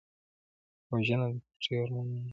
وژنه د پټو ارمانونو ماتې ده